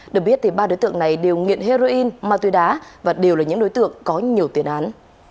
được biết ba đối tượng này đều nghiện heroin ma túy đá và đều là những đối tượng có nhiều tiền án